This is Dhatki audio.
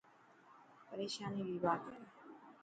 پريشاني ري بات هي.